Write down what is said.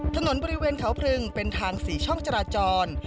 ถนนบริเวณเขาพรึงเป็นทาง๔ช่องจราจร